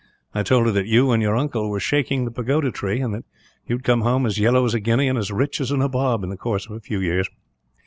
I told her that you and your uncle were shaking the pagoda tree, and that you would come home as yellow as a guinea and as rich as a nabob, in the course of a few years.